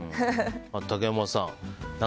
竹山さん